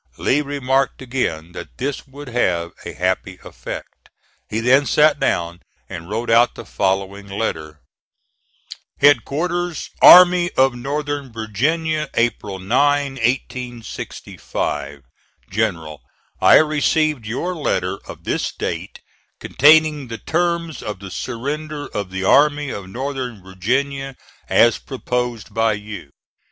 Lee remarked again that this would have a happy effect. He then sat down and wrote out the following letter: HEADQUARTERS ARMY OF NORTHERN VIRGINIA, April 9, 1865. GENERAL: I received your letter of this date containing the terms of the surrender of the Army of Northern Virginia as proposed by you.